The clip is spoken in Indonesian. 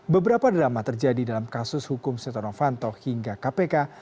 beberapa drama terjadi dalam kasus hukum setonofanto hingga kpk